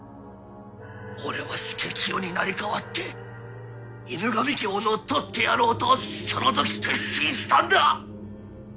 俺は佐清になりかわって犬神家を乗っ取ってやろうとそのとき決心したんだ。